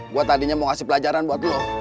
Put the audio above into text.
gue tadinya mau ngasih pelajaran buat lo